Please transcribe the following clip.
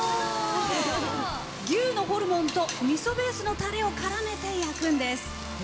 牛のホルモンとみそベースのタレをからめて焼くんです。